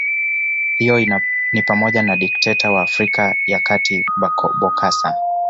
Hiyo nipamoja na dikteta wa Afrika ya Kati Bokassa